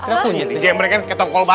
ini dia yang mereka yang ketok kolbasa